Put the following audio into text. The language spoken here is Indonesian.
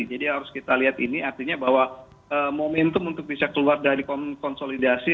jadi harus kita lihat ini artinya bahwa momentum untuk bisa keluar dari konsolidasi